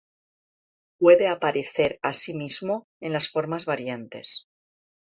Puede aparecer, asimismo, en las formas variantes 甲, 申, 由, 甴, y 电.